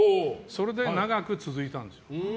それで長く続いたんです。